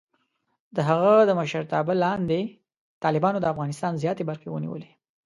د هغه د مشرتابه لاندې، طالبانو د افغانستان زیاتې برخې ونیولې.